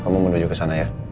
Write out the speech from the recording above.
kita mau menuju kesana ya